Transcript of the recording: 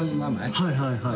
はいはい。